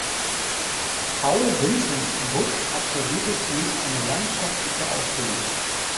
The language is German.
Paul Vincenz Busch absolvierte zunächst eine landschaftliche Ausbildung.